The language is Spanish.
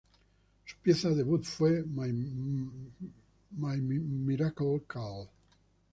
Su pieza debut fue "My Miracle Kal".